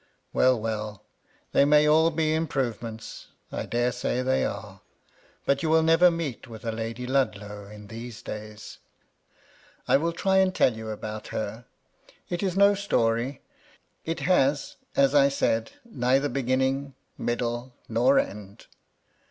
Well, well ! they may 14 MY LADY LUDLOW. all be improvements, — ^I dare say they are ; but you will never meet with a Lady Ludlow in these days. I will try and tell you about her. It is no story : it has, as I said, neither beginning, middle, nor end.